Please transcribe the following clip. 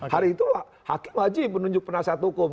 hari itu hakim wajib menunjuk penasihat hukum